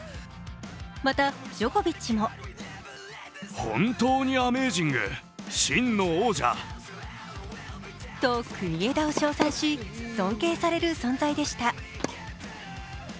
またジョコビッチもと国枝を称賛し尊敬される存在でした。